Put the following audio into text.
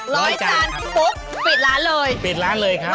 ร้อยจานปุ๊บปิดร้านเลยปิดร้านเลยครับ